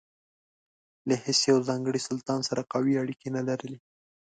له هیڅ یوه ځانګړي سلطان سره قوي اړیکې نه لرلې.